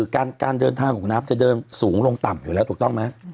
การเดินทางของน้ำจะเดินสูงลงต่ำอยู่แล้วถูกต้องไหม